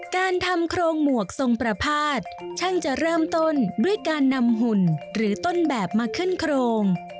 การทำโครงหมวกทรงประพาทช่างจะเริ่มต้นด้วยการนำหุ่นหรือต้นแบบมาขึ้นโครง